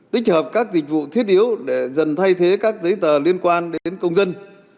tích hợp các dịch vụ thiết yếu để dần thay thế các giấy tờ liên quan đến công dân